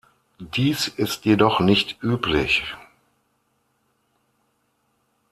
Dies ist jedoch nicht üblich.